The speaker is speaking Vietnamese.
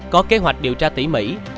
có kế hoạch điều tra tỉ mỉ